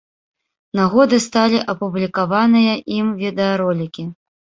Нагодай сталі апублікаваныя ім відэаролікі.